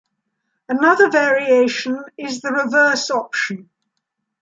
Another variation is the "reverse option".